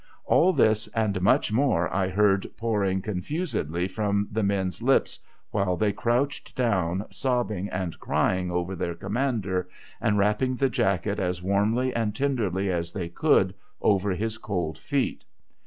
All this, and much more, I heard pouring confusedly from the men's lips while they crouched down, sobbing and crying over their commander, and wrapping the jacket as warmly and tenderly as they could over his cold feet.